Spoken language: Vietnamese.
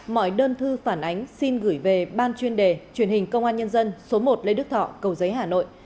mọi đơn thư phản ánh xin gửi về ban chuyên đề truyền hình công an nhân dân số một lê đức thọ cầu giấy hà nội